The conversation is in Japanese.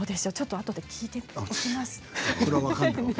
あとで聞いておきますね。